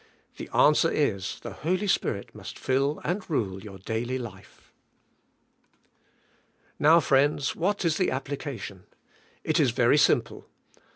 The answer is, the Holy Spirit must fill and rule your daily life. Now, friends, what is the application? It is very simple.